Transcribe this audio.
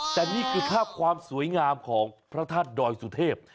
แต่นี่คือภาพความสวยงามของพระธาตุดอยสุเทพ